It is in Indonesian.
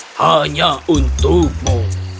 itu adalah untukmu